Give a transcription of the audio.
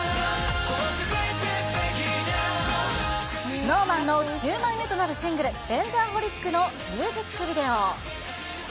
ＳｎｏｗＭａｎの９枚目となるシングル、Ｄａｎｇｅｒｈｏｌｉｃのミュージックビデオ。